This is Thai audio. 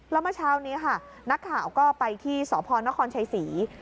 แล้วเมื่อเช้านี้ค่ะนักข่าวก็ไปที่สพนครชัยศรี